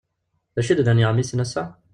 D acu d-nnan yiɣmisen ass-a?